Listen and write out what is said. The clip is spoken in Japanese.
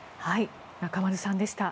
中丸さんでした。